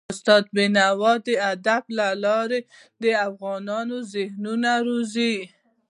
استاد بينوا د ادب له لارې د افغانونو ذهنونه روزل.